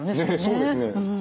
そうですね。